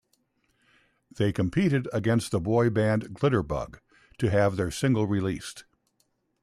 They competed against the boy band Glitterbug, to have their single released.